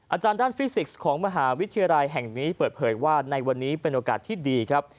อาจารย์ด้านฟิสิกส์ของมหาวิทยาลัยแห่งนี้เปิดเผยว่าในวันนี้เป็นโอกาสที่ดีครับ